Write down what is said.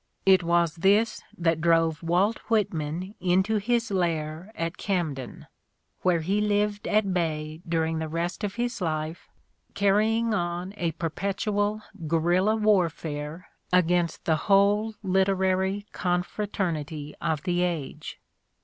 It was this that drove Walt Whitman into his lair at Camden, where he lived at bay during the rest of his life, carrying on a per petual guerrilla warfare against the whole literary con fraternity of the age.